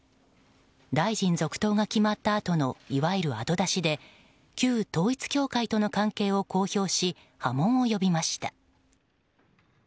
大臣続投が決まったあとのいわゆる後出しで旧統一教会との関係を公表し波紋を呼びました。